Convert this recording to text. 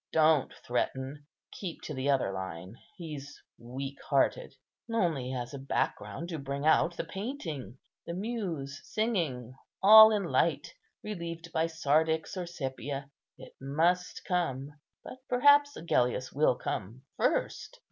Don't threaten; keep to the other line; he's weak hearted." "Only as a background to bring out the painting; the Muse singing, all in light, relieved by sardix or sepia. It must come; but perhaps Agellius will come first."